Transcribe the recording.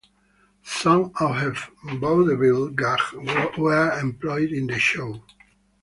Some of her vaudeville gags were employed in the show.